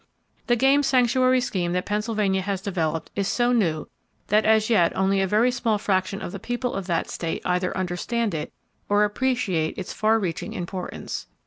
The game sanctuary scheme that Pennsylvania has developed is so new that as yet only a very small fraction of the people of that state either understand it, or appreciate its far reaching importance.